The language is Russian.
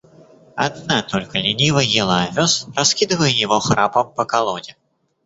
Одна только лениво ела овес, раскидывая его храпом по колоде.